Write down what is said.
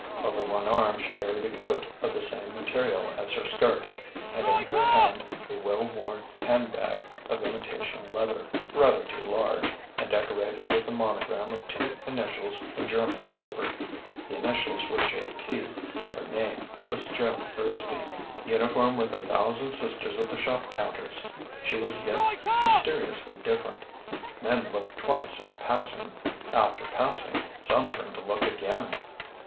Over one arm she carried a coat of the same material as her skirt, and in her hand a well worn handbag of imitation leather, rather too large, and decorated with a monogram of two initials in German silver. The initials were J T: her name was Joan Thursby. Uniform with a thousand sisters of the shop counters, she was yet mysteriously different. Men looked twice in passing; after passing some turned to look again.